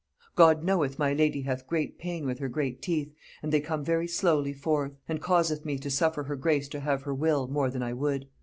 "God knoweth my lady hath great pain with her great teeth, and they come very slowly forth: and causeth me to suffer her grace to have her will, more than I would.